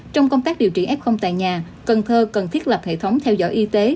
trong công tác điều trị f tại nhà cần thơ cần thiết lập hệ thống theo dõi y tế